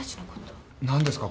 何ですか？